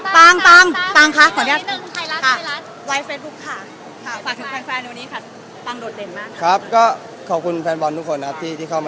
สวัสดีครับขออนุญาตถ้าใครถึงแฟนทีลักษณ์ที่เกิดอยู่แล้วค่ะ